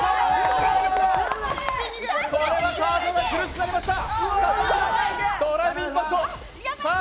これは川島さん、苦しくなりました。